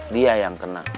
dia yang kena